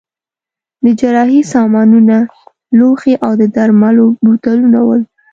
د جراحۍ سامانونه، لوښي او د درملو بوتلونه ول.